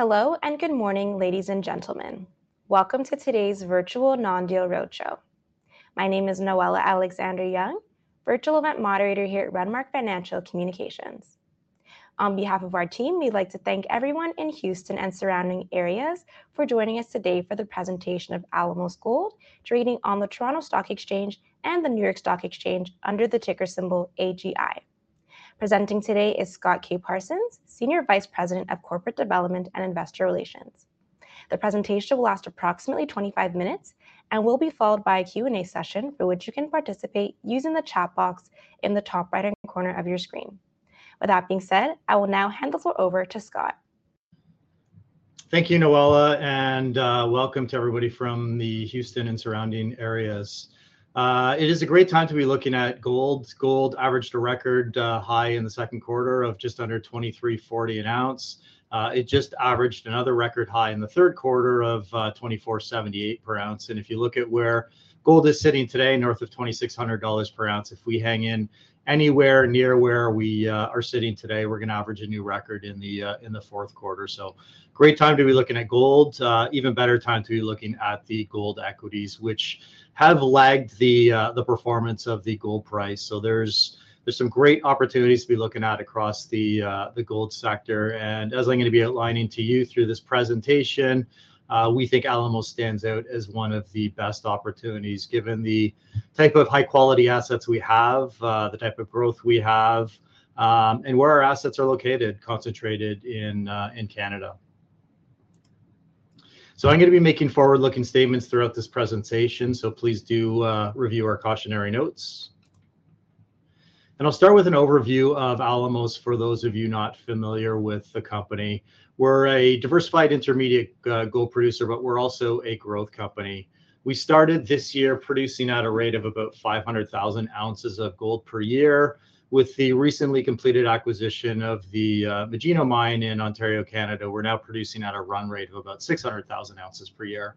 Hello, and good morning, ladies and gentlemen. Welcome to today's virtual non-deal roadshow. My name is Noella Alexander-Young, virtual event moderator here at Renmark Financial Communications. On behalf of our team, we'd like to thank everyone in Houston and surrounding areas for joining us today for the presentation of Alamos Gold, trading on the Toronto Stock Exchange and the New York Stock Exchange under the ticker symbol AGI. Presenting today is Scott K. Parsons, Senior Vice President of Corporate Development and Investor Relations. The presentation will last approximately twenty-five minutes and will be followed by a Q&A session, for which you can participate using the chat box in the top right-hand corner of your screen. With that being said, I will now hand this over to Scott. Thank you, Noella, and welcome to everybody from the Houston and surrounding areas. It is a great time to be looking at gold. Gold averaged a record high in the second quarter of just under $2,340 an ounce. It just averaged another record high in the third quarter of $2,478 per ounce. And if you look at where gold is sitting today, north of $2,600 per ounce, if we hang in anywhere near where we are sitting today, we're gonna average a new record in the fourth quarter. So great time to be looking at gold. Even better time to be looking at the gold equities, which have lagged the performance of the gold price. So, there's some great opportunities to be looking at across the gold sector. As I'm gonna be outlining to you through this presentation, we think Alamos stands out as one of the best opportunities, given the type of high-quality assets we have, the type of growth we have, and where our assets are located, concentrated in Canada. I'm gonna be making forward-looking statements throughout this presentation, so please do review our cautionary notes. I'll start with an overview of Alamos, for those of you not familiar with the company. We're a diversified intermediate gold producer, but we're also a growth company. We started this year producing at a rate of about 500,000 ounces of gold per year. With the recently completed acquisition of the Magino Mine in Ontario, Canada, we're now producing at a run rate of about 600,000 ounces per year.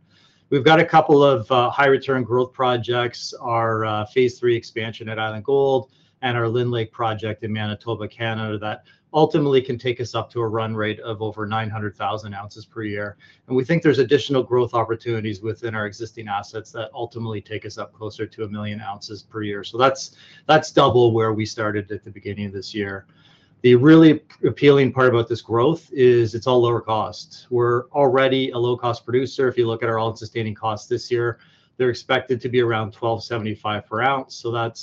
We've got a couple of high-return growth projects, our Phase 3 Expansion at Island Gold and our Lynn Lake Project in Manitoba, Canada, that ultimately can take us up to a run rate of over 900,000 ounces per year. And we think there's additional growth opportunities within our existing assets that ultimately take us up closer to a million ounces per year. So that's, that's double where we started at the beginning of this year. The really appealing part about this growth is it's all lower costs. We're already a low-cost producer. If you look at our all-in sustaining costs this year, they're expected to be around $1,275 per ounce, so that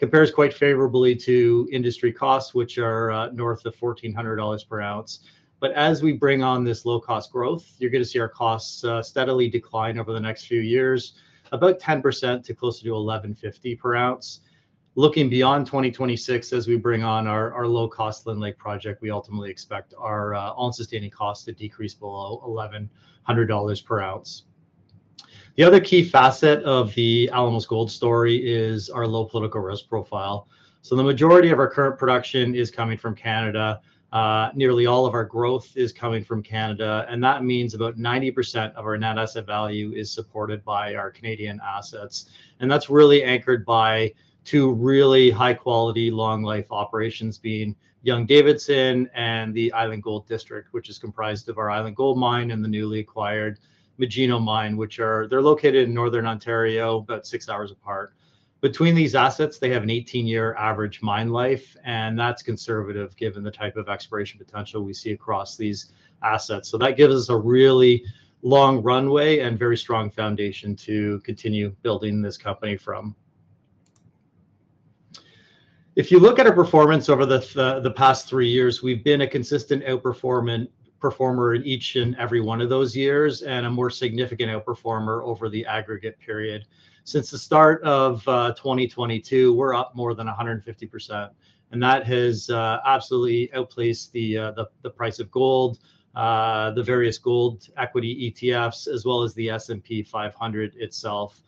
compares quite favorably to industry costs, which are north of $1,400 per ounce. But as we bring on this low-cost growth, you're gonna see our costs steadily decline over the next few years, about 10% to closer to $1,150 per ounce. Looking beyond 2026, as we bring on our low-cost Lynn Lake Project, we ultimately expect our all-sustaining costs to decrease below $1,100 per ounce. The other key facet of the Alamos Gold story is our low political risk profile. So, the majority of our current production is coming from Canada. Nearly all of our growth is coming from Canada, and that means about 90% of our net asset value is supported by our Canadian assets. And that's really anchored by two really high-quality, long-life operations, being Young-Davidson and the Island Gold District, which is comprised of our Island Gold Mine and the newly acquired Magino Mine, which are located in northern Ontario, about six hours apart. Between these assets, they have an eighteen-year average mine life, and that's conservative, given the type of exploration potential we see across these assets. So that gives us a really long runway and very strong foundation to continue building this company from. If you look at our performance over the past three years, we've been a consistent outperformer in each and every one of those years, and a more significant outperformer over the aggregate period. Since the start of 2022, we're up more than 150%, and that has absolutely outpaced the price of gold, the various gold equity ETFs, as well as the S&P 500 itself,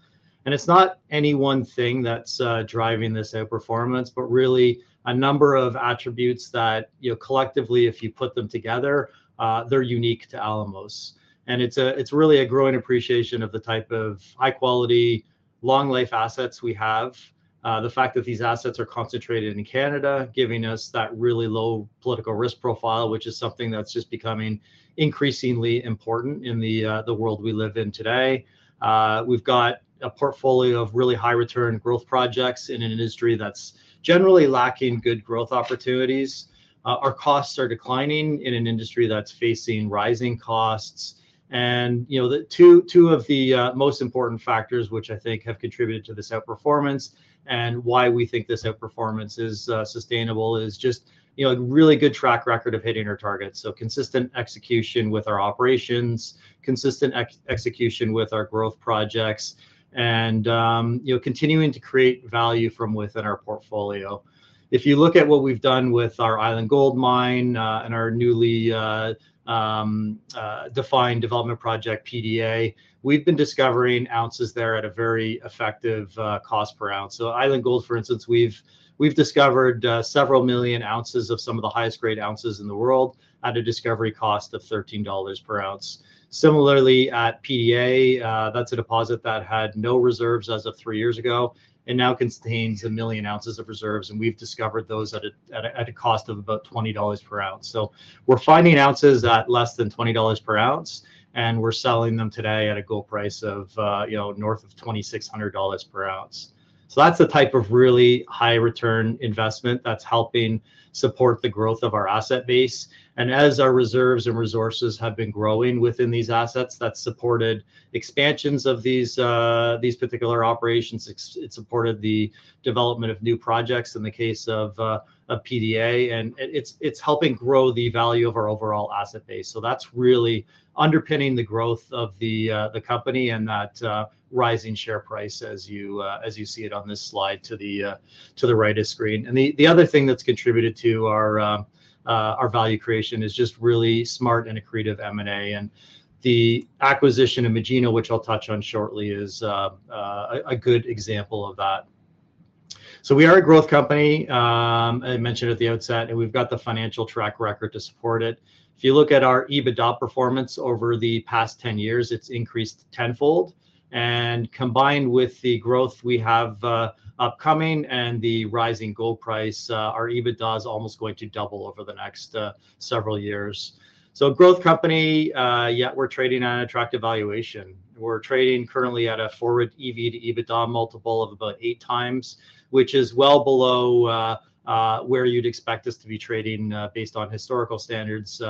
and it's not any one thing that's driving this outperformance, but really a number of attributes that, you know, collectively, if you put them together, they're unique to Alamos, and it's really a growing appreciation of the type of high-quality, long-life assets we have. The fact that these assets are concentrated in Canada, giving us that really low political risk profile, which is something that's just becoming increasingly important in the world we live in today. We've got a portfolio of really high-return growth projects in an industry that's generally lacking good growth opportunities. Our costs are declining in an industry that's facing rising costs, and you know, the two of the most important factors, which I think have contributed to this outperformance and why we think this outperformance is sustainable, is just you know, a really good track record of hitting our targets, so consistent execution with our operations, consistent execution with our growth projects, and you know, continuing to create value from within our portfolio. If you look at what we've done with our Island Gold Mine, and our newly defined development project, PDA, we've been discovering ounces there at a very effective cost per ounce, so Island Gold, for instance, we've discovered several million ounces of some of the highest grade ounces in the world at a discovery cost of $13 per ounce. Similarly, at PDA, that's a deposit that had no reserves as of three years ago and now contains 1 million ounces of reserves, and we've discovered those at a cost of about $20 per ounce. So, we're finding ounces at less than $20 per ounce, and we're selling them today at a gold price of, you know, north of $2,600 per ounce. So that's the type of really high-return investment that's helping support the growth of our asset base. And as our reserves and resources have been growing within these assets, that's supported expansions of these particular operations. It's supported the development of new projects in the case of of PDA, and it's helping grow the value of our overall asset base. So that's really underpinning the growth of the company and that rising share price as you see it on this slide to the right of screen. And the other thing that's contributed to our value creation is just really smart and accretive M&A. And the acquisition of Magino, which I'll touch on shortly, is a good example of that. So, we are a growth company. I mentioned at the outset, and we've got the financial track record to support it. If you look at our EBITDA performance over the past ten years, it's increased tenfold, and combined with the growth we have upcoming and the rising gold price, our EBITDA is almost going to double over the next several years. So, a growth company, yet we're trading at an attractive valuation. We're trading currently at a forward EV to EBITDA multiple of about eight times, which is well below where you'd expect us to be trading, based on historical standards,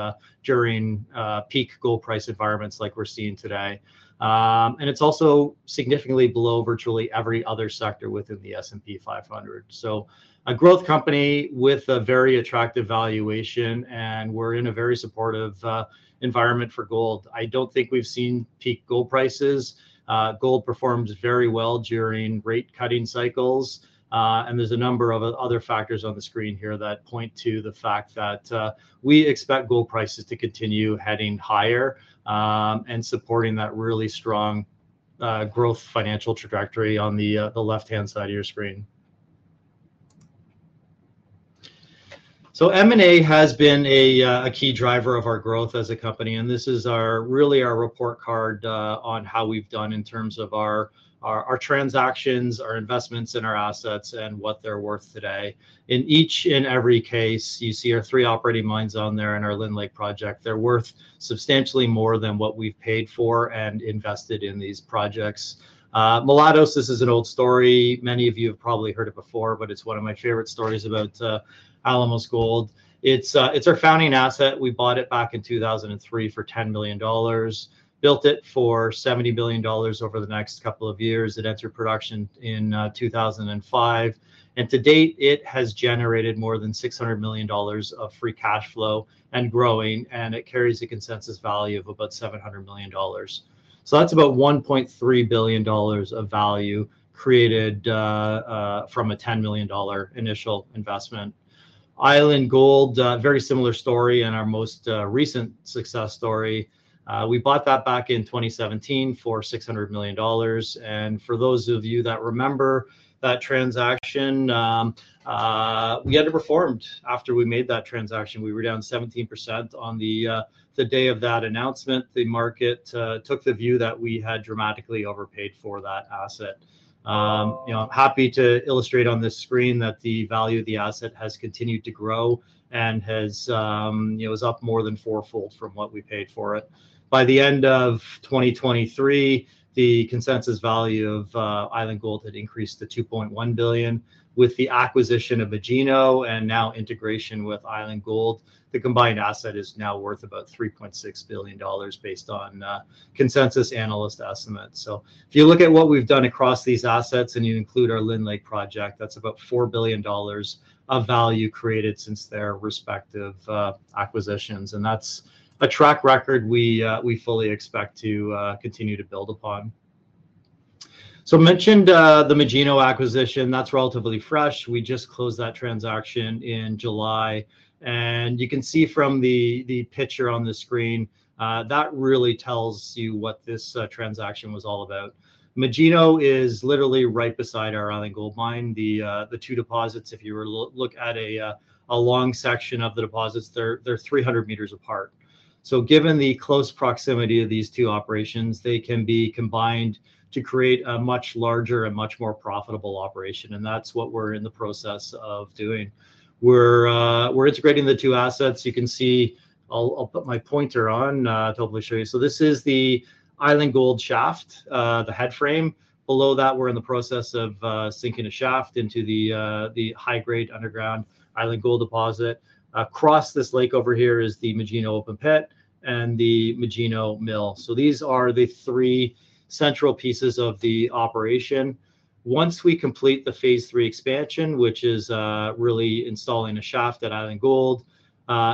during peak gold price environments like we're seeing today. And it's also significantly below virtually every other sector within the S&P 500. So, a growth company with a very attractive valuation, and we're in a very supportive environment for gold. I don't think we've seen peak gold prices. Gold performs very well during rate cutting cycles. And there's a number of other factors on the screen here that point to the fact that we expect gold prices to continue heading higher, and supporting that really strong growth financial trajectory on the left-hand side of your screen. So M&A has been a key driver of our growth as a company, and this is really our report card on how we've done in terms of our transactions, our investments in our assets, and what they're worth today. In each and every case, you see our three operating mines on there and our Lynn Lake Project. They're worth substantially more than what we've paid for and invested in these projects. Mulatos, this is an old story. Many of you have probably heard it before, but it's one of my favorite stories about Alamos Gold. It's our founding asset. We bought it back in 2003 for $10 million, built it for $70 million over the next couple of years. It entered production in 2005, and to date, it has generated more than $600 million of free cash flow and growing, and it carries a consensus value of about $700 million. So that's about $1.3 billion of value created from a $10 million initial investment. Island Gold, very similar story and our most recent success story. We bought that back in 2017 for $600 million, and for those of you that remember that transaction, we underperformed after we made that transaction. We were down 17% on the day of that announcement. The market took the view that we had dramatically overpaid for that asset. You know, I'm happy to illustrate on this screen that the value of the asset has continued to grow and has, you know, is up more than fourfold from what we paid for it. By the end of twenty twenty-three, the consensus value of Island Gold had increased to $2.1 billion. With the acquisition of Magino and now integration with Island Gold, the combined asset is now worth about $3.6 billion, based on consensus analyst estimates. If you look at what we've done across these assets, and you include our Lynn Lake Project, that's about $4 billion of value created since their respective acquisitions, and that's a track record we fully expect to continue to build upon. So, I mentioned the Magino acquisition. That's relatively fresh. We just closed that transaction in July, and you can see from the picture on the screen that really tells you what this transaction was all about. Magino is literally right beside our Island Gold Mine, the two deposits, if you look at a long section of the deposits, they're 300 meters apart. So given the close proximity of these two operations, they can be combined to create a much larger and much more profitable operation, and that's what we're in the process of doing. We're integrating the two assets. You can see. I'll put my pointer on to hopefully show you. So, this is the Island Gold shaft, the headframe. Below that, we're in the process of sinking a shaft into the high-grade underground Island Gold deposit. Across this lake over here is the Magino open pit and the Magino Mill. So, these are the three central pieces of the operation. Once we complete the phase 3 expansion, which is really installing a shaft at Island Gold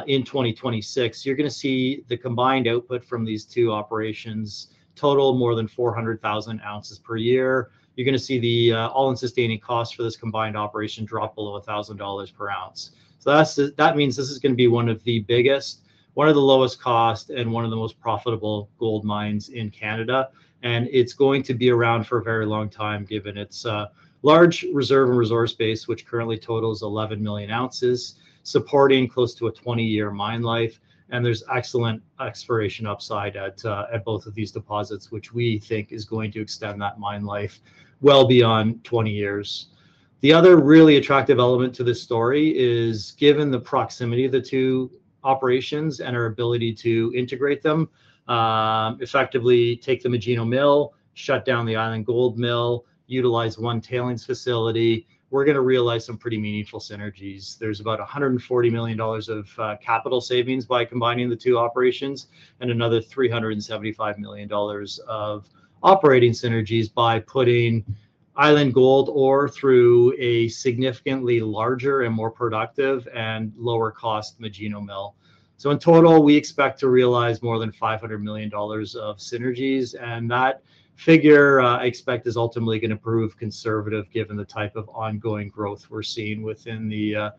in 2026, you're gonna see the combined output from these two operations total more than four hundred thousand ounces per year. You're gonna see the all-in sustaining cost for this combined operation drop below $1,000 per ounce. So that's, that means this is gonna be one of the biggest, one of the lowest costs, and one of the most profitable gold mines in Canada. And it's going to be around for a very long time, given its large reserve and resource base, which currently totals eleven million ounces, supporting close to a twenty-year mine life. And there's excellent exploration upside at both of these deposits, which we think is going to extend that mine life well beyond 20 years. The other really attractive element to this story is, given the proximity of the two operations and our ability to integrate them, effectively take the Magino Mill, shut down the Island Gold Mill, utilize one tailings facility, we're gonna realize some pretty meaningful synergies. There's about $140 million of capital savings by combining the two operations and another $375 million of operating synergies by putting Island Gold ore through a significantly larger and more productive and lower-cost Magino Mill. So, in total, we expect to realize more than $500 million of synergies, and that figure, I expect, is ultimately gonna prove conservative, given the type of ongoing growth we're seeing within the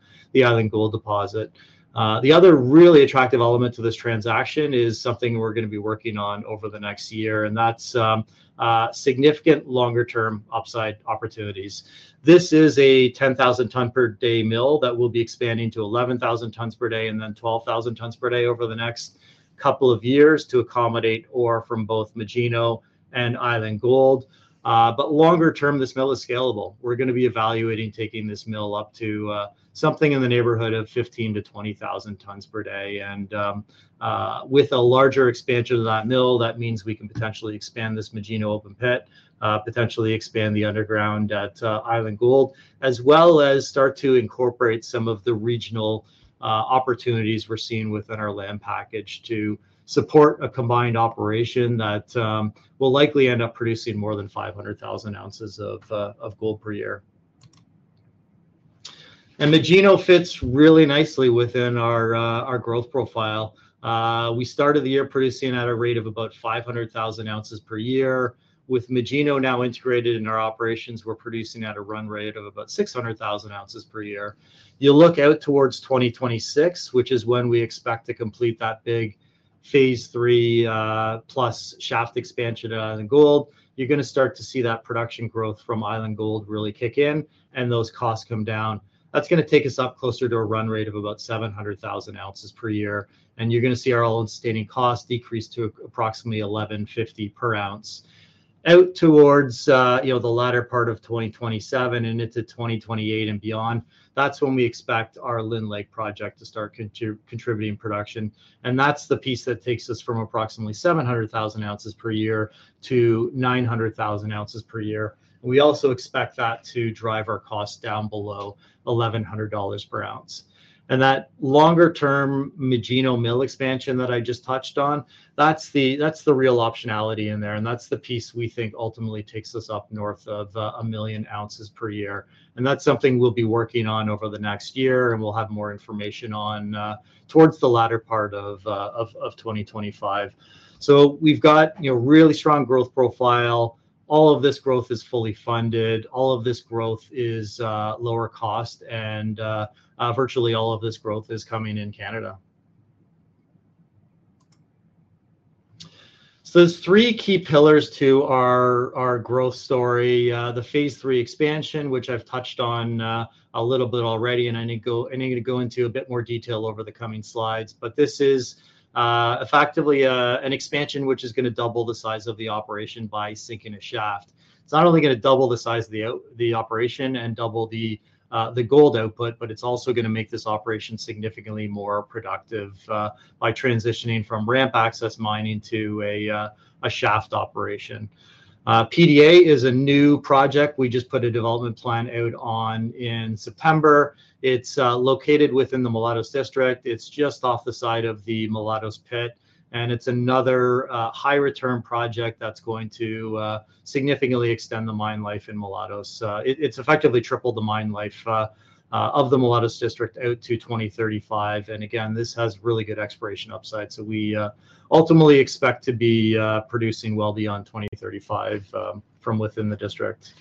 Island Gold deposit. The other really attractive element to this transaction is something we're gonna be working on over the next year, and that's significant longer-term upside opportunities. This is a 10,000 ton per day mill that will be expanding to 11,000 tonnes per day and then 12,000 tonnes per day over the next couple of years to accommodate ore from both Magino and Island Gold. But longer term, this mill is scalable. We're gonna be evaluating taking this mill up to something in the neighborhood of 15 to 20,000 tonnes per day, and with a larger expansion of that mill, that means we can potentially expand this Magino open pit, potentially expand the underground at Island Gold, as well as start to incorporate some of the regional opportunities we're seeing within our land package to support a combined operation that will likely end up producing more than five hundred thousand ounces of gold per year. And Magino fits really nicely within our growth profile. We started the year producing at a rate of about five hundred thousand ounces per year. With Magino now integrated in our operations, we're producing at a run rate of about 600,000 ounces per year. You look out towards 2026, which is when we expect to complete that big Phase 3+ shaft expansion at Island Gold. You're gonna start to see that production growth from Island Gold really kick in, and those costs come down. That's gonna take us up closer to a run rate of about 700,000 ounces per year, and you're gonna see our all-in sustaining costs decrease to approximately $1,150 per ounce. Out towards, you know, the latter part of 2027 and into 2028 and beyond, that's when we expect our Lynn Lake Project to start contributing production, and that's the piece that takes us from approximately 700,000 ounces per year to 900,000 ounces per year. We also expect that to drive our costs down below $1,100 per ounce. That longer-term Magino Mill expansion that I just touched on, that's the real optionality in there, and that's the piece we think ultimately takes us up north of a million ounces per year. And that's something we'll be working on over the next year, and we'll have more information on towards the latter part of 2025. So, we've got, you know, really strong growth profile. All of this growth is fully funded, all of this growth is lower cost, and virtually all of this growth is coming in Canada. So, there's three key pillars to our growth story. The Phase 3 Expansion, which I've touched on a little bit already, and I'm gonna go into a bit more detail over the coming slides. But this is effectively an expansion which is gonna double the size of the operation by sinking a shaft. It's not only gonna double the size of the operation and double the gold output, but it's also gonna make this operation significantly more productive by transitioning from ramp access mining to a shaft operation. PDA is a new project. We just put a development plan out in September. It's located within the Mulatos District. It's just off the side of the Mulatos pit, and it's another high-return project that's going to significantly extend the mine life in Mulatos. It's effectively tripled the mine life of the Mulatos District out to 2035, and again, this has really good exploration upside. So, we ultimately expect to be producing well beyond 2035 from within the district.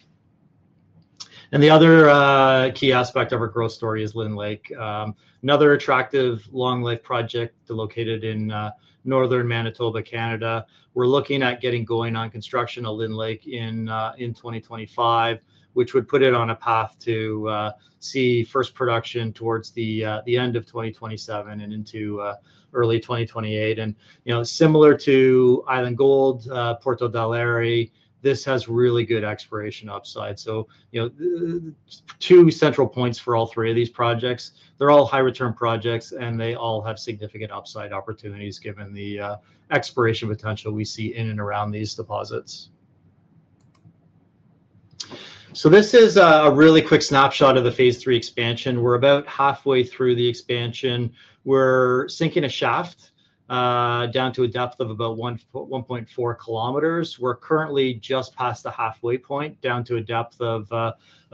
And the other key aspect of our growth story is Lynn Lake. Another attractive long-life project located in northern Manitoba, Canada. We're looking at getting going on construction of Lynn Lake in 2025, which would put it on a path to see first production towards the end of 2027 and into early 2028. And, you know, similar to Island Gold, Puerto Del Aire, this has really good exploration upside. So, you know, two central points for all three of these projects. They're all high-return projects, and they all have significant upside opportunities, given the exploration potential we see in and around these deposits. So, this is a really quick snapshot of the Phase 3 expansion. We're about halfway through the expansion. We're sinking a shaft down to a depth of about 1.4 kilometers. We're currently just past the halfway point, down to a depth of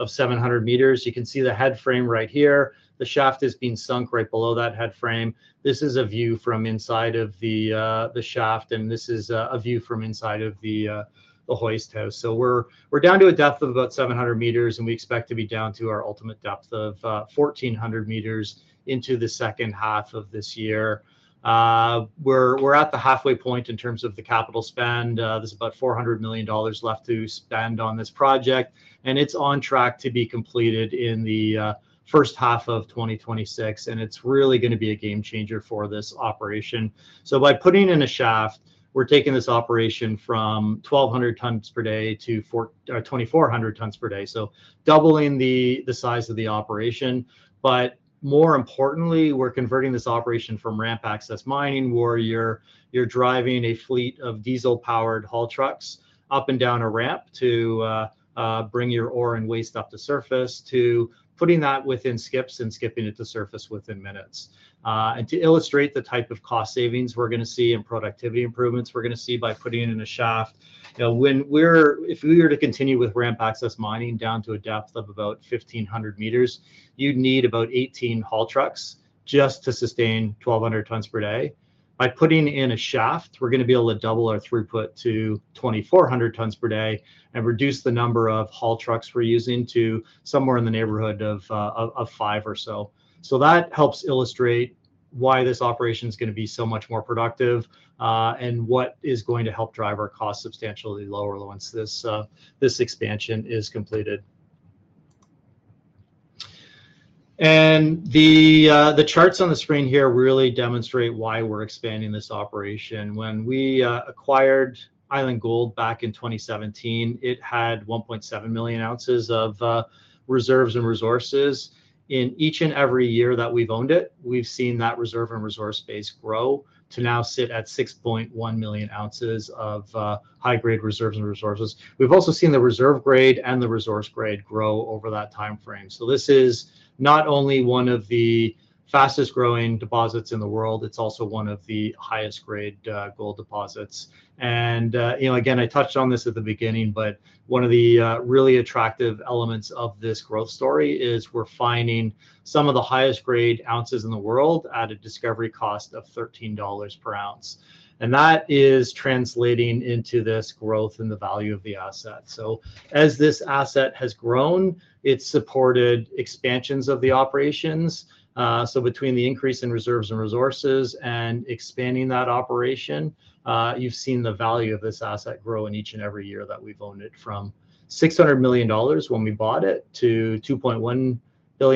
700 meters. You can see the headframe right here. The shaft is being sunk right below that headframe. This is a view from inside of the shaft, and this is a view from inside of the hoist house. So we're down to a depth of about 700 meters, and we expect to be down to our ultimate depth of 1,400 meters into the second half of this year. We're at the halfway point in terms of the capital spend. There's about $400 million left to spend on this project, and it's on track to be completed in the first half of 2026, and it's really gonna be a game changer for this operation. So, by putting in a shaft, we're taking this operation from 1,200 tonnes per day to 2,400 tonnes per day, so doubling the size of the operation. But more importantly, we're converting this operation from ramp access mining, where you're driving a fleet of diesel-powered haul trucks up and down a ramp to bring your ore and waste up to surface, to putting that within skips and skipping it to surface within minutes. And to illustrate the type of cost savings we're gonna see and productivity improvements we're gonna see by putting it in a shaft, you know, when, if we were to continue with ramp access mining down to a depth of about 1,500 meters, you'd need about 18 haul trucks just to sustain 1,200 tonnes per day. By putting in a shaft, we're gonna be able to double our throughput to 2,400 tonnes per day and reduce the number of haul trucks we're using to somewhere in the neighborhood of five or so. So that helps illustrate why this operation is gonna be so much more productive, and what is going to help drive our costs substantially lower once this expansion is completed. The charts on the screen here really demonstrate why we're expanding this operation. When we acquired Island Gold back in 2017, it had 1.7 million ounces of reserves and resources. In each and every year that we've owned it, we've seen that reserve and resource base grow to now sit at 6.1 million ounces of high-grade reserves and resources. We've also seen the reserve grade and the resource grade grow over that timeframe, so this is not only one of the fastest-growing deposits in the world, it's also one of the highest grade gold deposits, and you know, again, I touched on this at the beginning, but one of the really attractive elements of this growth story is we're finding some of the highest grade ounces in the world at a discovery cost of $13 per ounce, and that is translating into this growth in the value of the asset. So as this asset has grown, it's supported expansions of the operations. So between the increase in reserves and resources and expanding that operation, you've seen the value of this asset grow in each and every year that we've owned it, from $600 million when we bought it, to $2.1 billion at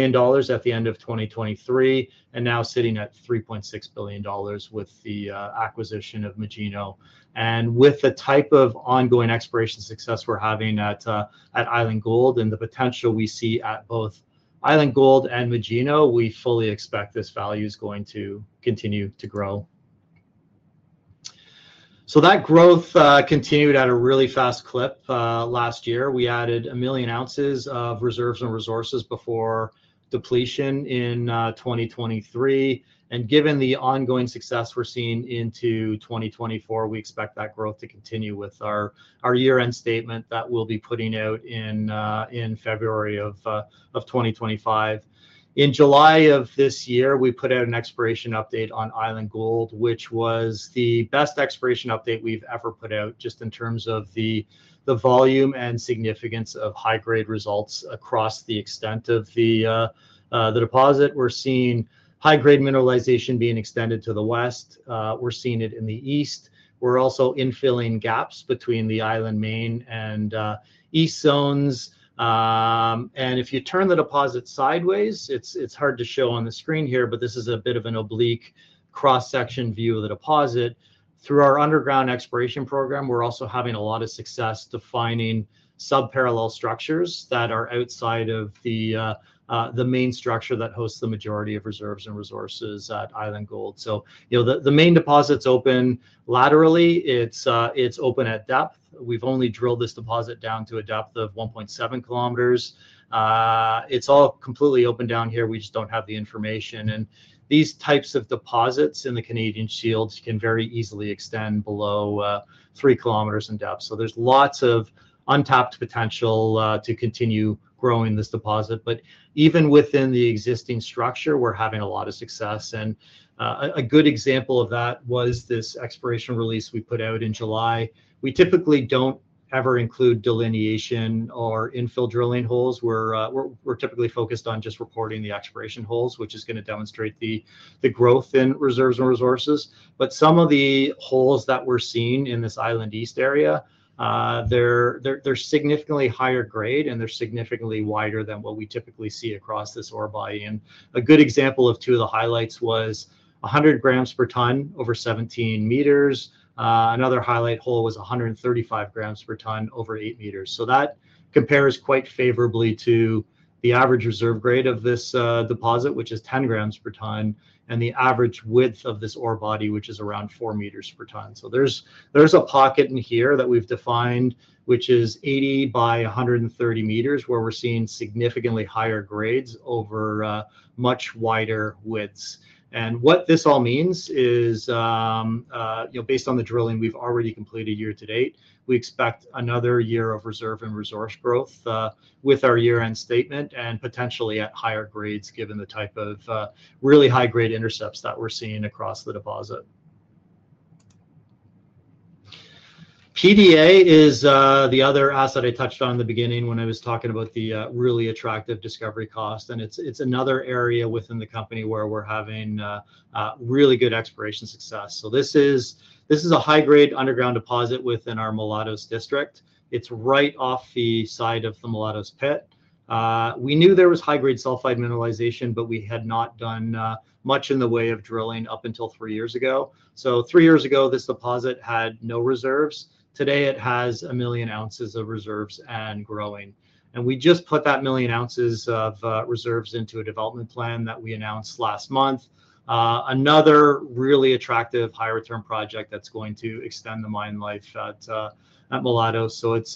the end of 2023, and now sitting at $3.6 billion with the acquisition of Magino. And with the type of ongoing exploration success we're having at Island Gold, and the potential we see at both Island Gold and Magino, we fully expect this value is going to continue to grow. So that growth continued at a really fast clip last year. We added a million ounces of reserves and resources before depletion in twenty twenty-three, and given the ongoing success we're seeing into twenty twenty-four, we expect that growth to continue with our year-end statement that we'll be putting out in February of twenty twenty-five. In July of this year, we put out an exploration update on Island Gold, which was the best exploration update we've ever put out, just in terms of the volume and significance of high-grade results across the extent of the deposit. We're seeing high-grade mineralization being extended to the west. We're seeing it in the east. We're also infilling gaps between the Island Main and East zones. And if you turn the deposit sideways, it's hard to show on the screen here, but this is a bit of an oblique cross-section view of the deposit. Through our underground exploration program, we're also having a lot of success defining sub-parallel structures that are outside of the main structure that hosts the majority of reserves and resources at Island Gold. So, you know, the main deposit's open laterally. It's open at depth. We've only drilled this deposit down to a depth of 1.7 kilometers. It's all completely open down here. We just don't have the information, and these types of deposits in the Canadian Shield can very easily extend below 3 kilometers in depth. There's lots of untapped potential to continue growing this deposit, but even within the existing structure, we're having a lot of success, and a good example of that was this exploration release we put out in July. We typically don't ever include delineation or infill drilling holes. We're typically focused on just reporting the exploration holes, which is gonna demonstrate the growth in reserves and resources. But some of the holes that we're seeing in this Island East area, they're significantly higher grade, and they're significantly wider than what we typically see across this ore body. And a good example of two of the highlights was 100 grams per tonne over 17 meters. Another highlight hole was 135 grams per tonne over 8 meters. So that compares quite favorably to the average reserve grade of this deposit, which is ten grams per tonne, and the average width of this ore body, which is around four meters per tonne. So there's a pocket in here that we've defined, which is 80 by 100 and 30 meters, where we're seeing significantly higher grades over much wider widths. And what this all means is, you know, based on the drilling we've already completed year to date, we expect another year of reserve and resource growth with our year-end statement, and potentially at higher grades, given the type of really high-grade intercepts that we're seeing across the deposit. PDA is the other asset I touched on in the beginning when I was talking about the really attractive discovery cost, and it's another area within the company where we're having really good exploration success. So this is a high-grade underground deposit within our Mulatos District. It's right off the side of the Mulatos pit. We knew there was high-grade sulfide mineralization, but we had not done much in the way of drilling up until three years ago. So three years ago, this deposit had no reserves. Today, it has a million ounces of reserves and growing. We just put that million ounces of reserves into a development plan that we announced last month. Another really attractive higher return project that's going to extend the mine life at Mulatos. It's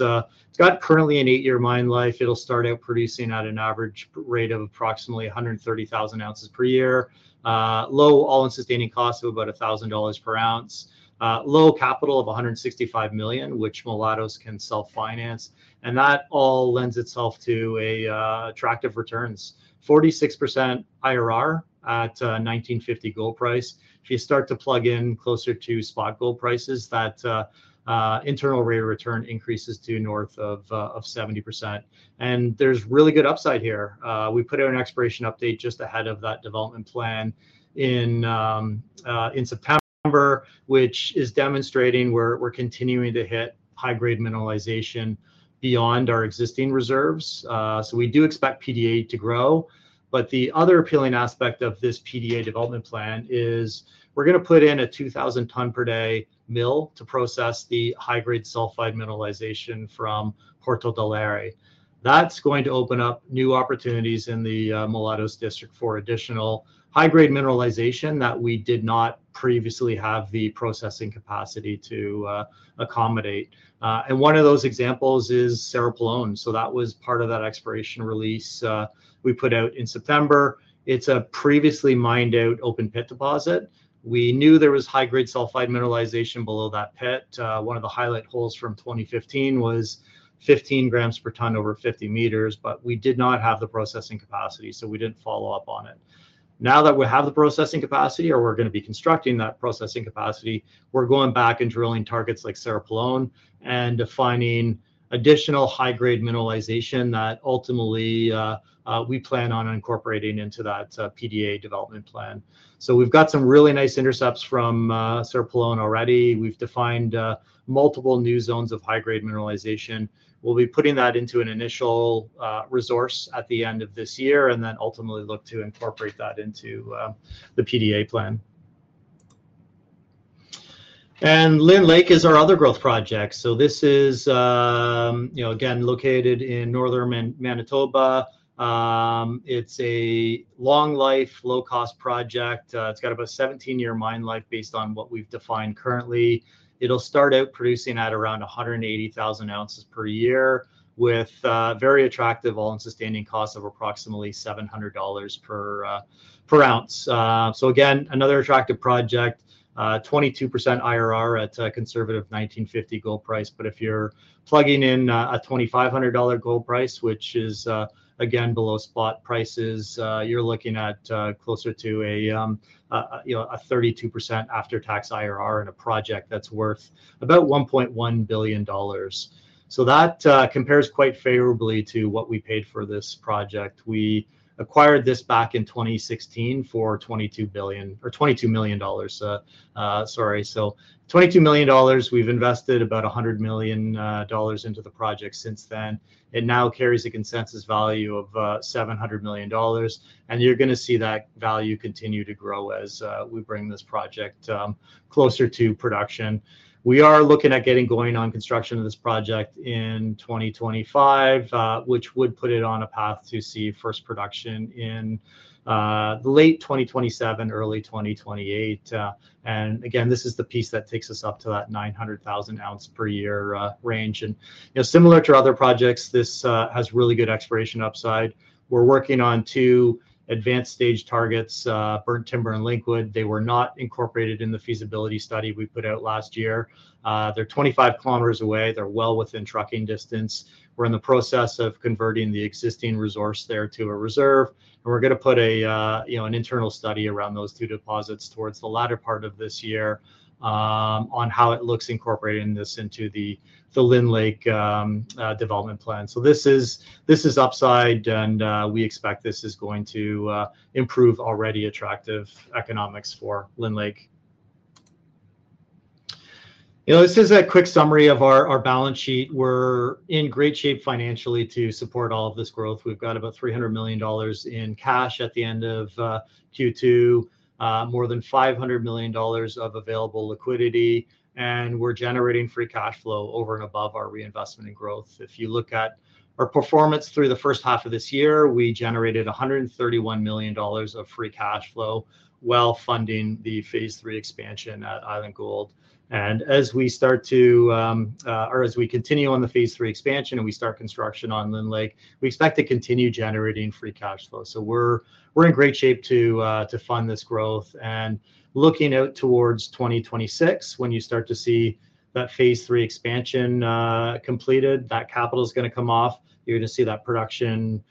got currently an eight-year mine life. It'll start out producing at an average rate of approximately 130,000 ounces per year. Low all-in sustaining costs of about $1,000 per ounce. Low capital of $165 million, which Mulatos can self-finance. And that all lends itself to an attractive return, 46% IRR at a $1,950 gold price. If you start to plug in closer to spot gold prices, that internal rate of return increases to north of 70%, and there's really good upside here. We put out an exploration update just ahead of that development plan in September, which is demonstrating we're continuing to hit high-grade mineralization beyond our existing reserves. So, we do expect PDA to grow, but the other appealing aspect of this PDA development plan is we're gonna put in a 2,000 ton per day mill to process the high-grade sulfide mineralization from Puerto del Aire. That's going to open up new opportunities in the Mulatos District for additional high-grade mineralization that we did not previously have the processing capacity to accommodate, and one of those examples is Cerro Pelon. That was part of that exploration release we put out in September. It's a previously mined-out open pit deposit. We knew there was high-grade sulfide mineralization below that pit. One of the highlight holes from 2015 was 15 grams per tonne over 50 meters, but we did not have the processing capacity, so we didn't follow up on it. Now that we have the processing capacity, or we're gonna be constructing that processing capacity, we're going back and drilling targets like Cerro Pelon and defining additional high-grade mineralization that ultimately, we plan on incorporating into that PDA development plan. So, we've got some really nice intercepts from Cerro Pelon already. We've defined multiple new zones of high-grade mineralization. We'll be putting that into an initial resource at the end of this year, and then ultimately look to incorporate that into the PDA plan. And Lynn Lake is our other growth project, so this is, you know, again, located in northern Manitoba. It's a long-life, low-cost project. It's got about a 17-year mine life based on what we've defined currently. It'll start out producing at around 180,000 ounces per year, with very attractive all-in sustaining costs of approximately $700 per ounce. So again, another attractive project, 22% IRR at a conservative $1,950 gold price, but if you're plugging in a $2,500 gold price, which is again, below spot prices, you're looking at closer to a you know a 32% after-tax IRR and a project that's worth about $1.1 billion. So that compares quite favorably to what we paid for this project. We acquired this back in 2016 for twenty-two billion... or $22 million, sorry. So $22 million. We've invested about $100 million into the project since then. It now carries a consensus value of $700 million, and you're gonna see that value continue to grow as we bring this project closer to production. We are looking at getting going on construction of this project in 2025, which would put it on a path to see first production in late 2027, early 2028. And again, this is the piece that takes us up to that 900,000 ounce per year range. And, you know, similar to our other projects, this has really good exploration upside. We're working on two advanced stage targets, Burnt Timber and Lakewood. They were not incorporated in the feasibility study we put out last year. They're 25 kilometers away. They're well within trucking distance. We're in the process of converting the existing resource there to a reserve, and we're gonna put a, you know, an internal study around those two deposits towards the latter part of this year, on how it looks incorporating this into the, the Lynn Lake, development plan. So, this is, this is upside, and, we expect this is going to, improve already attractive economics for Lynn Lake. You know, this is a quick summary of our, our balance sheet. We're in great shape financially to support all of this growth. We've got about $300 million in cash at the end of, Q2, more than $500 million of available liquidity, and we're generating free cash flow over and above our reinvestment and growth. If you look at our performance through the first half of this year, we generated $131 million of free cash flow while funding the Phase 3 Expansion at Island Gold. And as we continue on the Phase 3 Expansion and we start construction on Lynn Lake, we expect to continue generating free cash flow. So, we're in great shape to fund this growth. And looking out towards 2026, when you start to see that Phase 3 Expansion completed, that capital is gonna come off. You're gonna see that production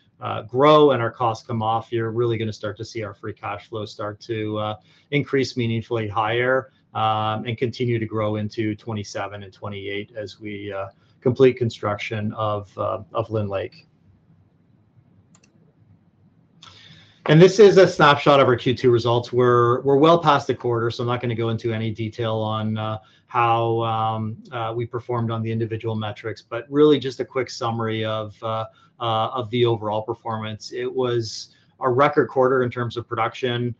grow and our costs come off. You're really gonna see our free cash flow start to increase meaningfully higher and continue to grow into 2027 and 2028 as we complete construction of Lynn Lake. This is a snapshot of our Q2 results. We're well past the quarter, so I'm not gonna go into any detail on how we performed on the individual metrics, but really just a quick summary of the overall performance. It was a record quarter in terms of production,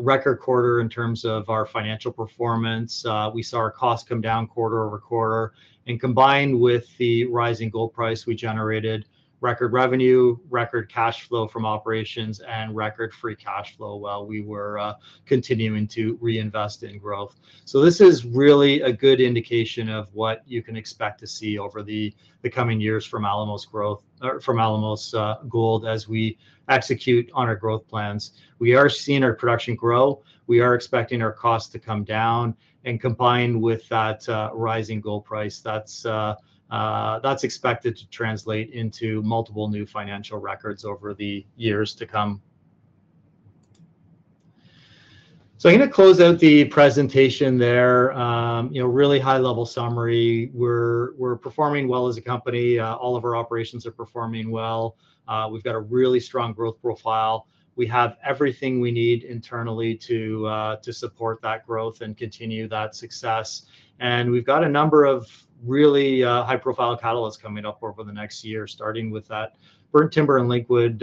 record quarter in terms of our financial performance. We saw our costs come down quarter over quarter, and combined with the rising gold price, we generated record revenue, record cash flow from operations, and record free cash flow while we were continuing to reinvest in growth. So, this is really a good indication of what you can expect to see over the coming years from Alamos Gold, or from Alamos Gold, as we execute on our growth plans. We are seeing our production grow. We are expecting our costs to come down, and combined with that, rising gold price, that's expected to translate into multiple new financial records over the years to come, so I'm gonna close out the presentation there. You know, really high-level summary, we're performing well as a company. All of our operations are performing well. We've got a really strong growth profile. We have everything we need internally to support that growth and continue that success, and we've got a number of really high-profile catalysts coming up over the next year, starting with that Burnt Timber and Lakewood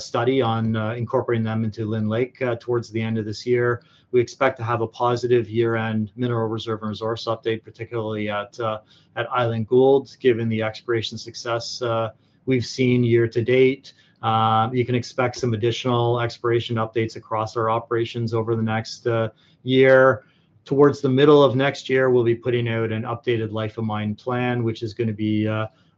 study on incorporating them into Lynn Lake towards the end of this year. We expect to have a positive year-end mineral reserve and resource update, particularly at Island Gold, given the exploration success we've seen year to date. You can expect some additional exploration updates across our operations over the next year. Towards the middle of next year, we'll be putting out an updated life of mine plan, which is gonna be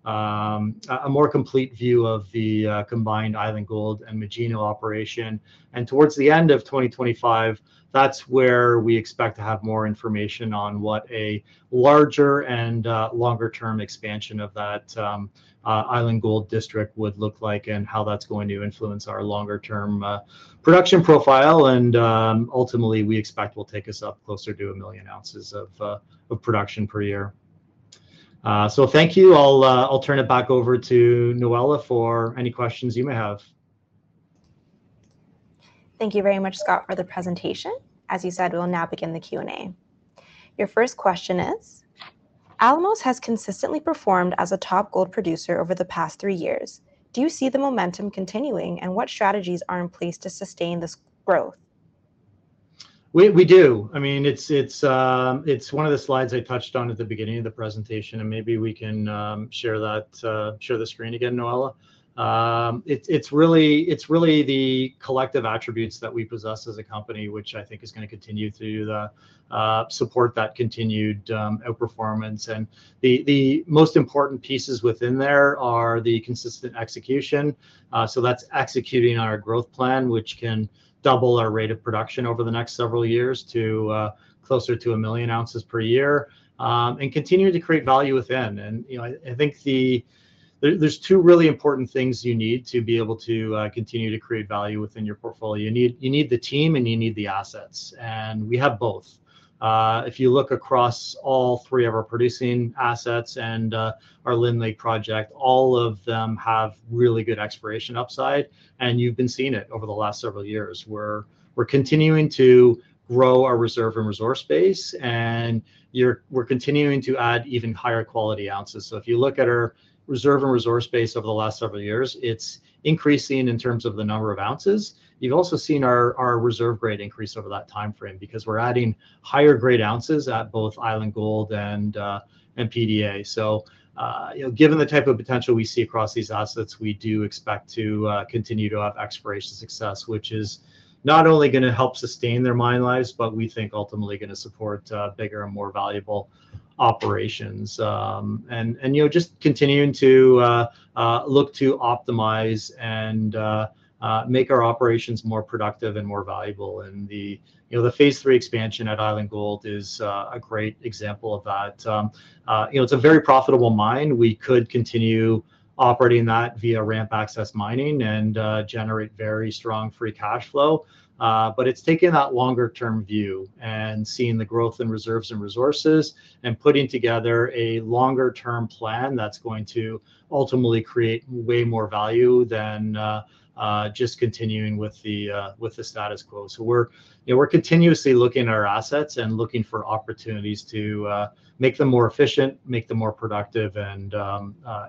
a more complete view of the combined Island Gold and Magino operation. Towards the end of twenty twenty-five, that's where we expect to have more information on what a larger and longer-term expansion of that Island Gold District would look like, and how that's going to influence our longer-term production profile. Ultimately, we expect will take us up closer to a million ounces of production per year. So, thank you. I'll turn it back over to Noella for any questions you may have. Thank you very much, Scott, for the presentation. As you said, we'll now begin the Q&A. Your first question is: Alamos has consistently performed as a top gold producer over the past three years. Do you see the momentum continuing, and what strategies are in place to sustain this growth? We, we do. I mean, it's one of the slides I touched on at the beginning of the presentation, and maybe we can share the screen again, Noella. It's really the collective attributes that we possess as a company, which I think is gonna continue to support that continued outperformance. And the most important pieces within there are the consistent execution. So that's executing on our growth plan, which can double our rate of production over the next several years to closer to a million ounces per year and continuing to create value within. And, you know, I think there, there's two really important things you need to be able to continue to create value within your portfolio. You need, you need the team, and you need the assets, and we have both. If you look across all three of our producing assets and our Lynn Lake Project, all of them have really good exploration upside, and you've been seeing it over the last several years, where we're continuing to grow our reserve and resource base, and we're continuing to add even higher quality ounces. So if you look at our reserve and resource base over the last several years, it's increasing in terms of the number of ounces. You've also seen our reserve grade increase over that timeframe because we're adding higher grade ounces at both Island Gold and PDA. So, you know, given the type of potential we see across these assets, we do expect to continue to have exploration success, which is not only gonna help sustain their mine lives, but we think ultimately gonna support bigger and more valuable operations. And, you know, just continuing to look to optimize and make our operations more productive and more valuable. And the, you know, the Phase 3 Expansion at Island Gold is a great example of that. You know, it's a very profitable mine. We could continue operating that via ramp access mining and generate very strong free cash flow. But it's taking that longer-term view and seeing the growth in reserves and resources, and putting together a longer-term plan that's going to ultimately create way more value than just continuing with the status quo. So we're, you know, we're continuously looking at our assets and looking for opportunities to make them more efficient, make them more productive, and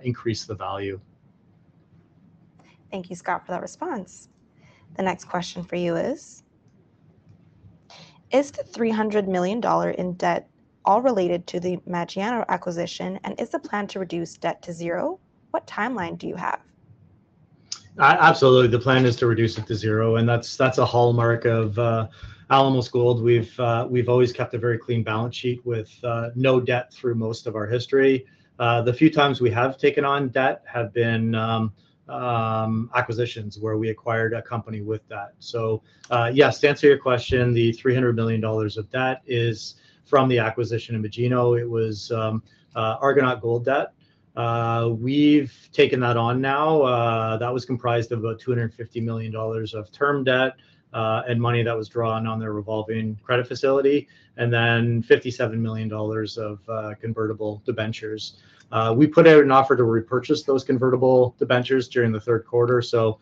increase the value. Thank you, Scott, for that response. The next question for you is: Is the $300 million in debt all related to the Magino acquisition, and is the plan to reduce debt to zero? What timeline do you have? Absolutely. The plan is to reduce it to zero, and that's a hallmark of Alamos Gold. We've always kept a very clean balance sheet with no debt through most of our history. The few times we have taken on debt have been acquisitions, where we acquired a company with debt. So, yes, to answer your question, the $300 million of debt is from the acquisition of Magino. It was Argonaut Gold debt. We've taken that on now. That was comprised of about $250 million of term debt, and money that was drawn on their revolving credit facility, and then $57 million of convertible debentures. We put out an offer to repurchase those convertible debentures during the third quarter, so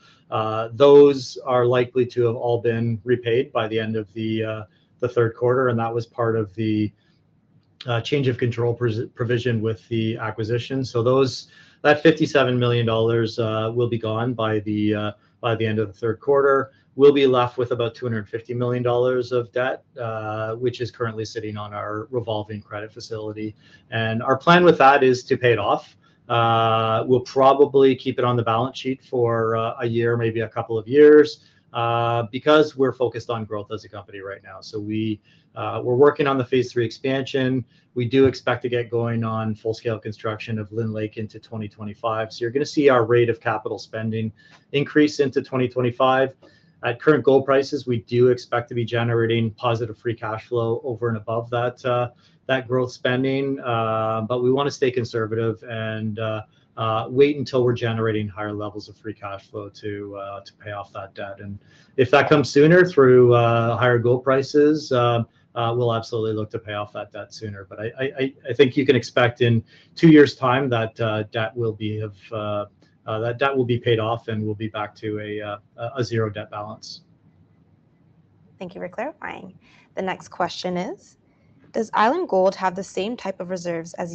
those are likely to have all been repaid by the end of the third quarter, and that was part of the change of control provision with the acquisition. So those, that $57 million will be gone by the end of the third quarter. We'll be left with about $250 million of debt, which is currently sitting on our revolving credit facility, and our plan with that is to pay it off. We'll probably keep it on the balance sheet for a year, maybe a couple of years, because we're focused on growth as a company right now. So we, we're working on the Phase 3 Expansion. We do expect to get going on full-scale construction of Lynn Lake into 2025. So you're gonna see our rate of capital spending increase into 2025. At current gold prices, we do expect to be generating positive free cash flow over and above that growth spending. But we wanna stay conservative and wait until we're generating higher levels of free cash flow to pay off that debt. And if that comes sooner through higher gold prices, we'll absolutely look to pay off that debt sooner. But I think you can expect in two years' time that debt will be paid off, and we'll be back to a zero debt balance. Thank you for clarifying. The next question is: Does Island Gold have the same type of reserves as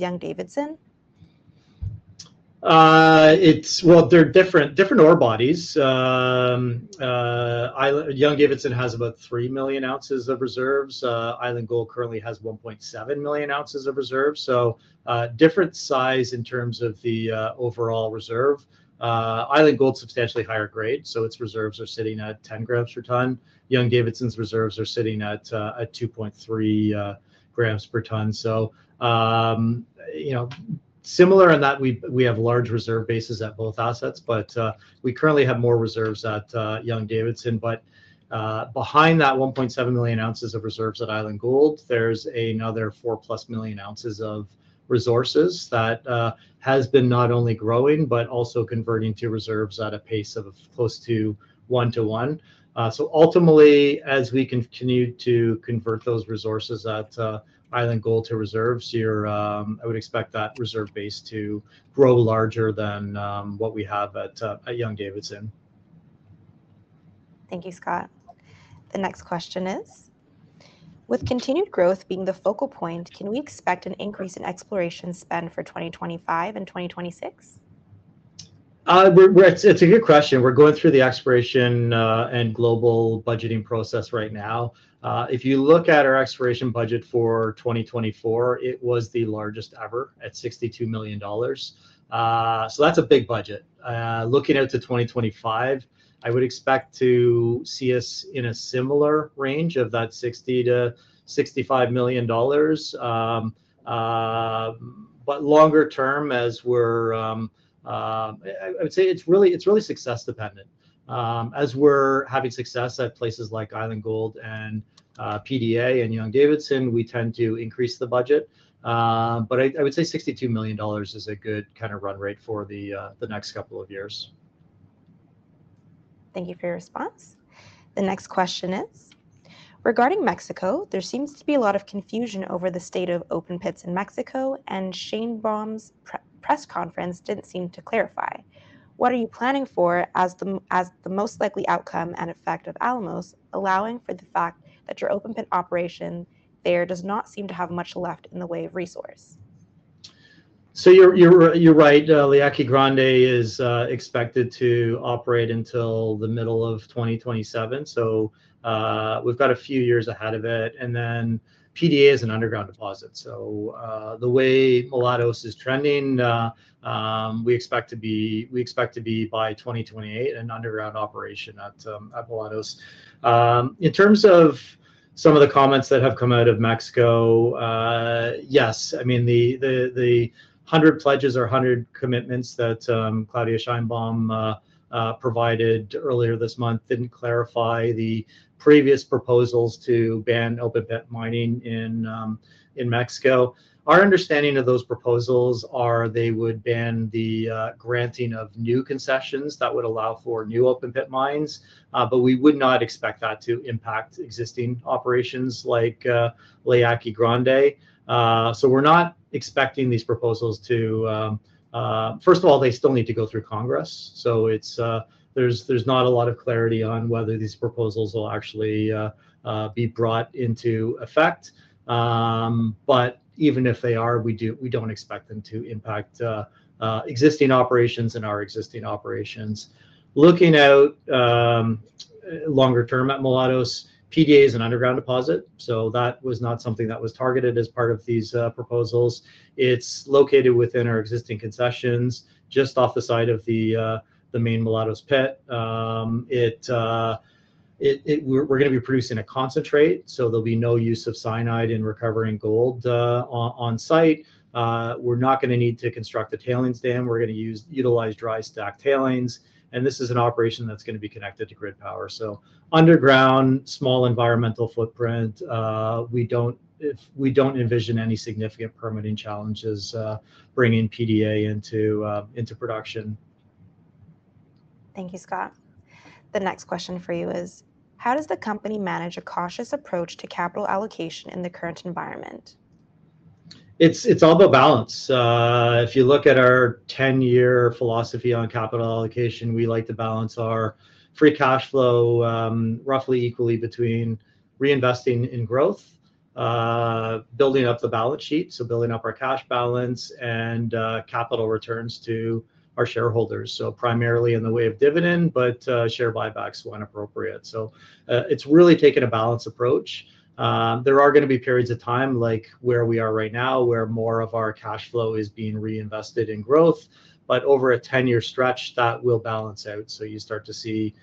Young-Davidson? They're different ore bodies. Young-Davidson has about 3 million ounces of reserves. Island Gold currently has 1.7 million ounces of reserves, so a different size in terms of the overall reserve. Island Gold, substantially higher grade, so its reserves are sitting at 10 grams per ton. Young-Davidson's reserves are sitting at 2.3 grams per ton. So, you know, similar in that we have large reserve bases at both assets, but we currently have more reserves at Young-Davidson. But behind those 1.7 million ounces of reserves at Island Gold, there's another 4+ million ounce of resources that has been not only growing but also converting to reserves at a pace of close to 1-to-1. So ultimately, as we continue to convert those resources at Island Gold to reserves, I would expect that reserve base to grow larger than what we have at Young-Davidson. Thank you, Scott. The next question is: With continued growth being the focal point, can we expect an increase in exploration spend for 2025 and 2026? It's a good question. We're going through the exploration and global budgeting process right now. If you look at our exploration budget for 2024, it was the largest ever at $62 million, so that's a big budget. Looking out to 2025, I would expect to see us in a similar range of that $60-$65 million, but longer term, as we're... I would say it's really success dependent. As we're having success at places like Island Gold and PDA and Young-Davidson, we tend to increase the budget, but I would say $62 million is a good kind of run rate for the next couple of years. Thank you for your response. The next question is: Regarding Mexico, there seems to be a lot of confusion over the state of open pits in Mexico, and Sheinbaum's pre-press conference didn't seem to clarify. What are you planning for as the most likely outcome and effect of Alamos, allowing for the fact that your open pit operation there does not seem to have much left in the way of resource? You're right. La Yaqui Grande is expected to operate until the middle of twenty twenty-seven, so we've got a few years ahead of it, and then PDA is an underground deposit. The way Mulatos is trending, we expect to be, by 2028, an underground operation at Mulatos. In terms of some of the comments that have come out of Mexico, yes, I mean, the 100 pledges or 100 commitments that Claudia Sheinbaum provided earlier this month didn't clarify the previous proposals to ban open-pit mining in Mexico. Our understanding of those proposals are they would ban the granting of new concessions that would allow for new open-pit mines, but we would not expect that to impact existing operations like La Yaqui Grande. So, we're not expecting these proposals to... First of all, they still need to go through Congress, so it's, there's not a lot of clarity on whether these proposals will actually be brought into effect. But even if they are, we don't expect them to impact existing operations. Looking out longer term at Mulatos, PDA is an underground deposit, so that was not something that was targeted as part of these proposals. It's located within our existing concessions, just off the side of the main Mulatos pit. It- we're gonna be producing a concentrate, so there'll be no use of cyanide in recovering gold on-site. We're not gonna need to construct a tailings dam. We're gonna utilize dry stack tailings, and this is an operation that's gonna be connected to grid power. So underground, small environmental footprint, we don't envision any significant permitting challenges, bringing PDA into production. Thank you, Scott. The next question for you is: How does the company manage a cautious approach to capital allocation in the current environment?... It's all about balance. If you look at our ten-year philosophy on capital allocation, we like to balance our free cash flow, roughly equally between reinvesting in growth, building up the balance sheet, so building up our cash balance, and capital returns to our shareholders, so primarily in the way of dividend, but share buybacks when appropriate, so it's really taking a balanced approach. There are gonna be periods of time, like where we are right now, where more of our cash flow is being reinvested in growth, but over a ten-year stretch, that will balance out. So, you start to see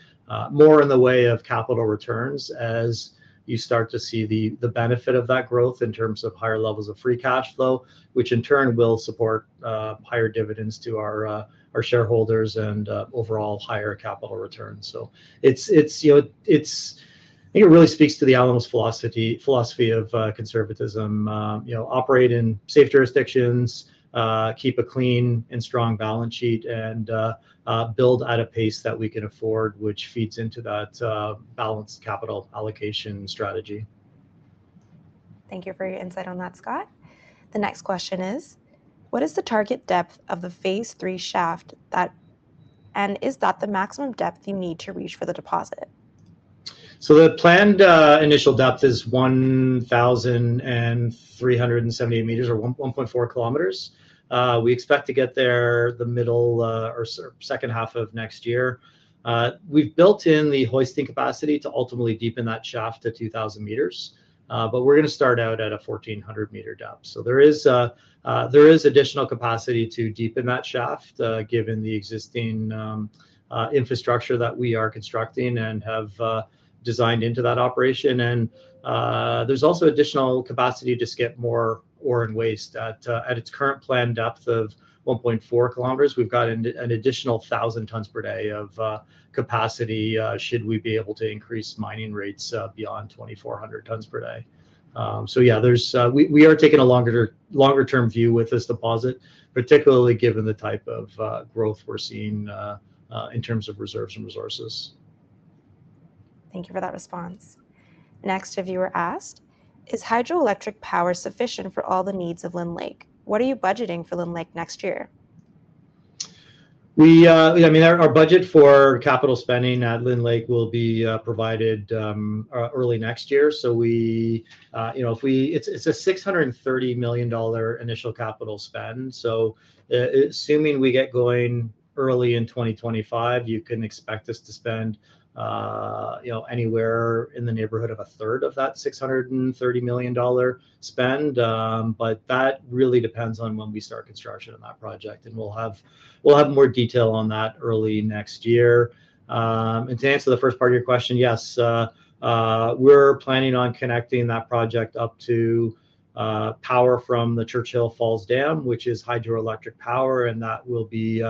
more in the way of capital returns as you start to see the benefit of that growth in terms of higher levels of free cash flow, which in turn will support higher dividends to our shareholders and overall higher capital returns. So, it's, you know, it's. I think it really speaks to the Alamos philosophy of conservatism. You know, operate in safe jurisdictions, keep a clean and strong balance sheet, and build at a pace that we can afford, which feeds into that balanced capital allocation strategy. Thank you for your insight on that, Scott. The next question is: What is the target depth of the phase three shaft that... and is that the maximum depth you need to reach for the deposit? The planned initial depth is 1,378 meters, or 1.4 kilometers. We expect to get there the middle or second half of next year. We've built in the hoisting capacity to ultimately deepen that shaft to 2,000 meters, but we're gonna start out at a 1,400-meter depth. There is additional capacity to deepen that shaft, given the existing infrastructure that we are constructing and have designed into that operation. And there's also additional capacity to skip more ore and waste. At its current planned depth of 1.4 kilometers, we've got an additional 1,000 tonnes per day of capacity, should we be able to increase mining rates beyond 2,400 tonnes per day. So yeah, there's. We are taking a longer-term view with this deposit, particularly given the type of growth we're seeing in terms of reserves and resources. Thank you for that response. Next, a viewer asked: Is hydroelectric power sufficient for all the needs of Lynn Lake? What are you budgeting for Lynn Lake next year? We, I mean, our budget for capital spending at Lynn Lake will be provided early next year. So we, you know, if we-- It's a $630 million initial capital spend. So, assuming we get going early in 2025, you can expect us to spend, you know, anywhere in the neighborhood of a third of that $630 million spend. But that really depends on when we start construction on that project, and we'll have more detail on that early next year. And to answer the first part of your question, yes, we're planning on connecting that project up to power from the Churchill Falls Dam, which is hydroelectric power, and that will be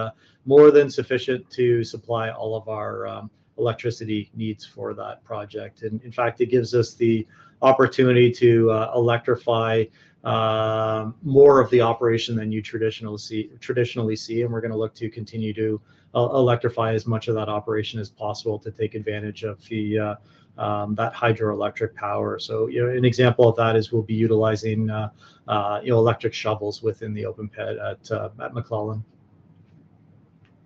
more than sufficient to supply all of our electricity needs for that project. And in fact, it gives us the opportunity to electrify more of the operation than you traditionally see, and we're gonna look to continue to electrify as much of that operation as possible to take advantage of that hydroelectric power. So, you know, an example of that is we'll be utilizing, you know, electric shovels within the open pit at MacLellan.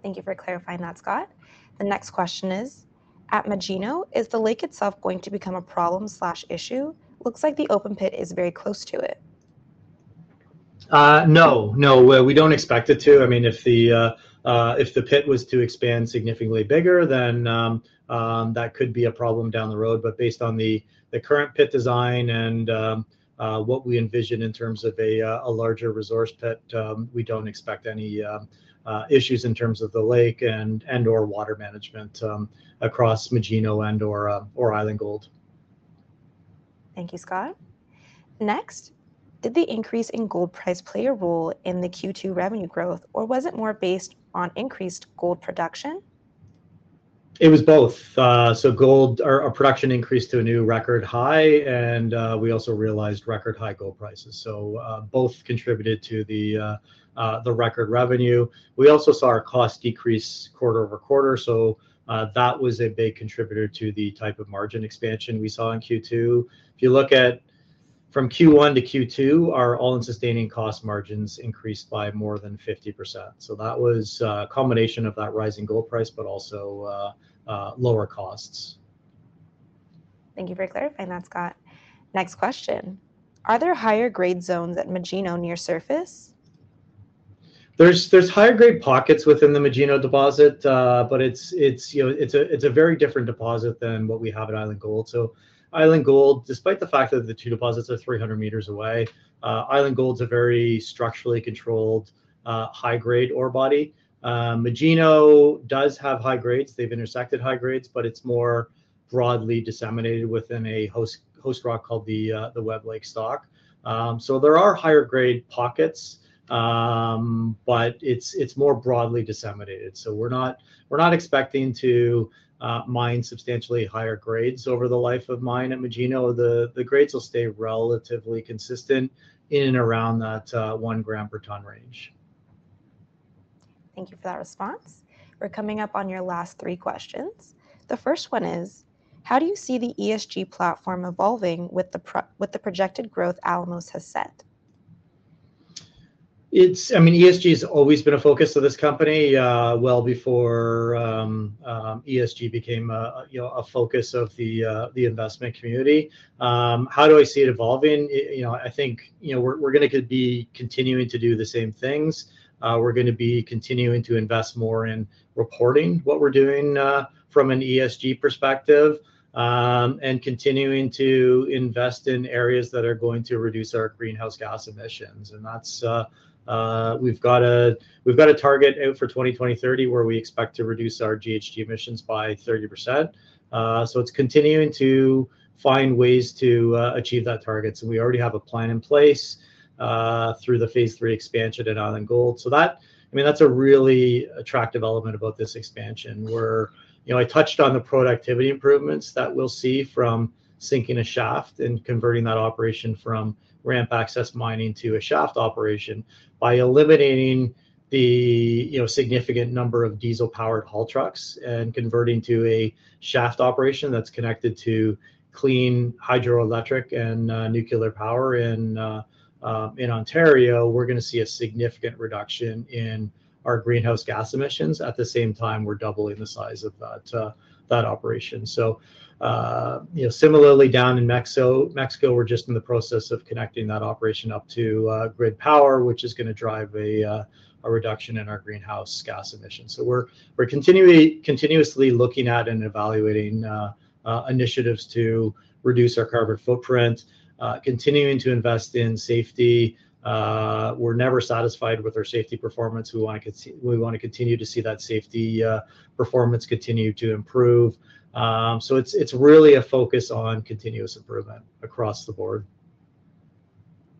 Thank you for clarifying that, Scott. The next question is: At Magino, is the lake itself going to become a problem/issue? Looks like the open pit is very close to it. No, no. We don't expect it to. I mean, if the pit was to expand significantly bigger, then that could be a problem down the road, but based on the current pit design and what we envision in terms of a larger resource pit, we don't expect any issues in terms of the lake and/or water management across Magino and/or Island Gold. Thank you, Scott. Next, did the increase in gold price play a role in the Q2 revenue growth, or was it more based on increased gold production? It was both. So gold, our production increased to a new record high, and we also realized record high gold prices. So, both contributed to the record revenue. We also saw our costs decrease quarter over quarter, so that was a big contributor to the type of margin expansion we saw in Q2. If you look at from Q1 to Q2, our all-in sustaining costs margins increased by more than 50%. So that was a combination of that rising gold price, but also lower costs. Thank you for clarifying that, Scott. Next question: Are there higher grade zones at Magino near surface? There's higher grade pockets within the Magino deposit, but it's, you know, it's a very different deposit than what we have at Island Gold. So, Island Gold, despite the fact that the two deposits are 300 meters away, Island Gold's a very structurally controlled, high-grade ore body. Magino does have high grades. They've intersected high grades, but it's more broadly disseminated within a host rock called the Webb Lake Stock. So, there are higher grade pockets, but it's more broadly disseminated. So, we're not expecting to mine substantially higher grades over the life of mine at Magino. The grades will stay relatively consistent in and around that 1 gram per tonne range.... Thank you for that response. We're coming up on your last three questions. The first one is: how do you see the ESG platform evolving with the projected growth Alamos has set? It's, I mean, ESG has always been a focus of this company, well before ESG became a, you know, a focus of the investment community. How do I see it evolving? I, you know, I think, you know, we're, we're gonna be continuing to do the same things. We're gonna be continuing to invest more in reporting what we're doing, from an ESG perspective, and continuing to invest in areas that are going to reduce our greenhouse gas emissions. And that's, we've got a, we've got a target out for 2030, where we expect to reduce our GHG emissions by 30%. So, it's continuing to find ways to achieve that target, so we already have a plan in place, through the Phase 3 Expansion at Island Gold. So that, I mean, that's a really attractive element about this expansion, where... You know, I touched on the productivity improvements that we'll see from sinking a shaft and converting that operation from ramp access mining to a shaft operation. By eliminating the, you know, significant number of diesel-powered haul trucks and converting to a shaft operation that's connected to clean hydroelectric and nuclear power in, in Ontario, we're gonna see a significant reduction in our greenhouse gas emissions. At the same time, we're doubling the size of that, that operation. So, you know, similarly down in Mexico, we're just in the process of connecting that operation up to, grid power, which is gonna drive a, a reduction in our greenhouse gas emissions. So, we're continuously looking at and evaluating initiatives to reduce our carbon footprint, continuing to invest in safety. We're never satisfied with our safety performance. We wanna continue to see that safety performance continues to improve. So, it's really a focus on continuous improvement across the board.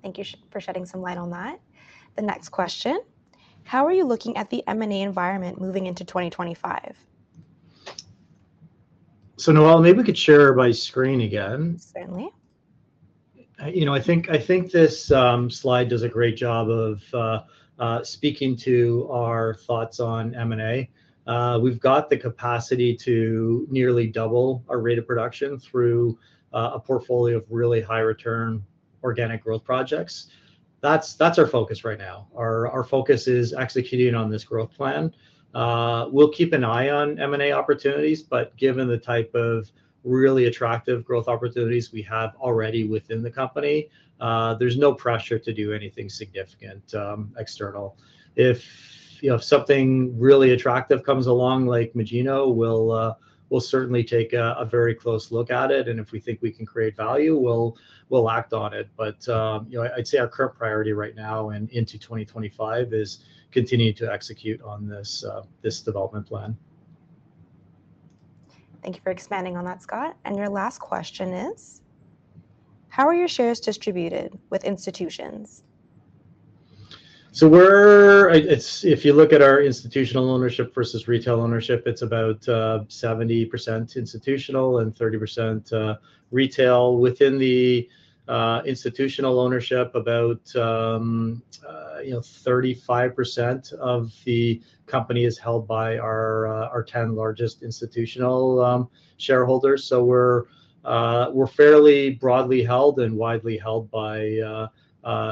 Thank you for shedding some light on that. The next question: how are you looking at the M&A environment moving into 2025? So, Noella, maybe we could share my screen again. Certainly. You know, I think this slide does a great job of speaking to our thoughts on M&A. We've got the capacity to nearly double our rate of production through a portfolio of really high-return organic growth projects. That's our focus right now. Our focus is executing on this growth plan. We'll keep an eye on M&A opportunities but given the type of really attractive growth opportunities we have already within the company, there's no pressure to do anything significant external. If you know, something really attractive comes along, like Magino, we'll certainly take a very close look at it, and if we think we can create value, we'll act on it. But, you know, I'd say our current priority right now and into 2025 is continuing to execute on this development plan. Thank you for expanding on that, Scott, and your last question is: how are your shares distributed with institutions? If you look at our institutional ownership versus retail ownership, it's about 70% institutional and 30% retail. Within the institutional ownership, about you know 35% of the company is held by our 10 largest institutional shareholders. We're fairly broadly held and widely held by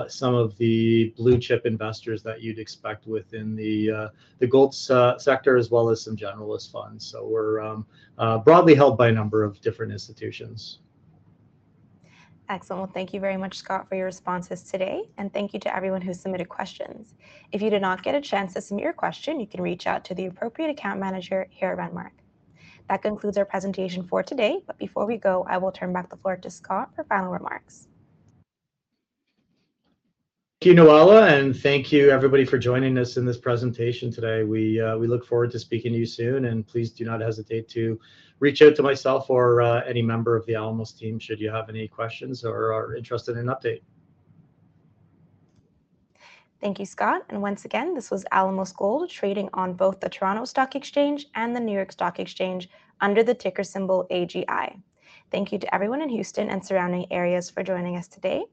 some of the blue-chip investors that you'd expect within the gold sector, as well as some generalist funds. We're broadly held by a number of different institutions. Excellent. Thank you very much, Scott, for your responses today, and thank you to everyone who submitted questions. If you did not get a chance to submit your question, you can reach out to the appropriate account manager here at Renmark. That concludes our presentation for today, but before we go, I will turn back the floor to Scott for final remarks. Thank you, Noella, and thank you, everybody, for joining us in this presentation today. We look forward to speaking to you soon, and please do not hesitate to reach out to myself or any member of the Alamos team should you have any questions or are interested in an update. Thank you, Scott, and once again, this was Alamos Gold, trading on both the Toronto Stock Exchange and the New York Stock Exchange under the ticker symbol AGI. Thank you to everyone in Houston and surrounding areas for joining us today.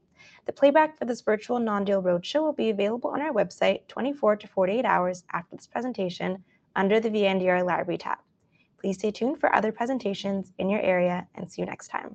The playback for this virtual non-deal roadshow will be available on our website twenty-four to forty-eight hours after this presentation under the VNDR Library tab. Please stay tuned for other presentations in your area and see you next time.